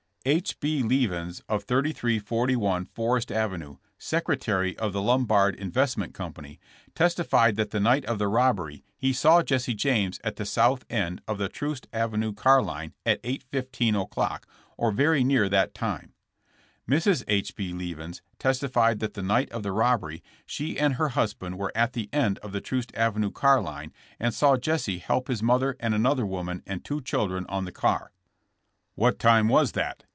'' H. B. Leavins of 3341 Forest avenue, secretary of the Lombard Investment Company, testified that the night of the robbery he saw Jesse James at the south end of the Troost avenue car line at 8:15 o'clock, or very near that time. Mrs. H. B. Leavins testified that the night of the robbery she and her husband were at the end of the Troost avenue car line and saw Jesse help his mother and another woman and two children on the car. *'What time was that?"